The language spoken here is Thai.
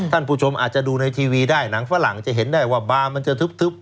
ท่านผู้ชมอาจจะดูในทีวีได้หนังฝรั่งจะเห็นได้ว่าบาร์มันจะทึบ